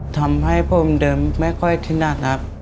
ทำให้ผมเดินไม่ค่อยถนัดครับ